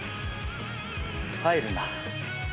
入るな。